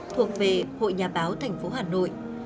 thuộc về hội nhà báo tp hà nội